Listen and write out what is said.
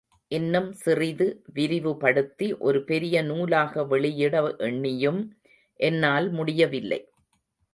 இன்னும் சிறிது விரிவுபடுத்தி, ஒரு பெரிய நூலாக வெளியிட எண்ணியும், என்னால் முடியவில்லை.